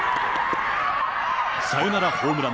サヨナラホームラン。